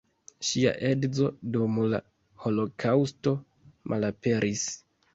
Ŝia edzo dum la holokaŭsto malaperis.